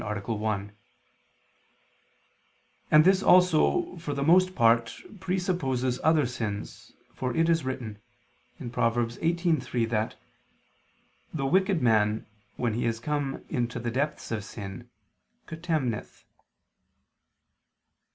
1); and this also, for the most part, presupposes other sins, for it is written (Prov. 18:3) that "the wicked man, when he is come into the depth of sins, contemneth."